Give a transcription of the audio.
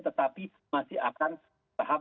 tetapi masih akan tahap